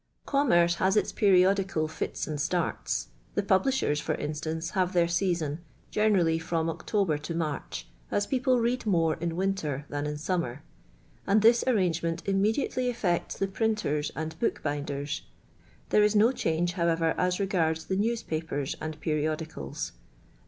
Commerce has its periodical fits and starts. The publishers, for instance, have their season, generally from October to March, as people read more in winter than in summer; and this arrange ment immediately effects the printers and book binders ; there is no change, however, as regards the newspapers and periodicals.